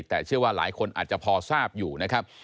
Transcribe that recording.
แต่เชื่อว่าหลายคนอาจจะพอทราบอยู่นะครับ